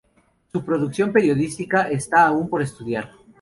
Su producción periodística está aún por estudiar.